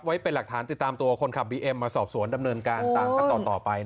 ไว้เป็นหลักฐานติดตามตัวคนขับบีเอ็มมาสอบสวนดำเนินการตามขั้นตอนต่อไป